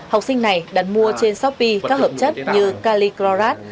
học sinh này đã mua trên shopee các hợp chất như caliclorat